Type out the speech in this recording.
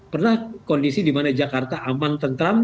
pernah kondisi di mana jakarta aman tentram